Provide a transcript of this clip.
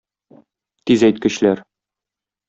Тизәйткечләр